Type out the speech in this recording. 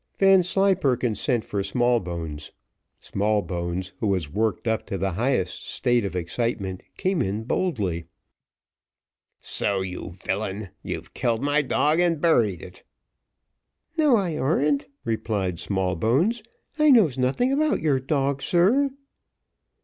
Vanslyperken sent for Smallbones. Smallbones, who was worked up to the highest state of excitement, came in boldly. "So, you villain, you've killed my dog, and buried it." "No, I ar'n't," replied Smallbones. "I knows nothing about your dog, sir."